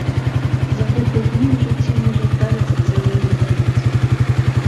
За гэтыя дні ў жыцці можа здарыцца цэлая рэвалюцыя!